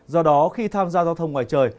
do đó khi tham gia giao thông ngoài trời